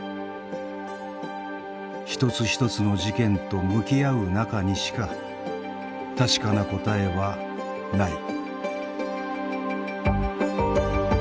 一つ一つの事件と向き合う中にしか確かな答えはない。